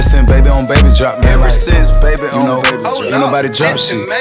cuma orang tua yang ngerasain